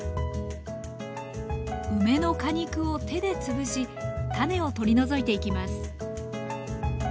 梅の果肉を手で潰し種を取り除いていきます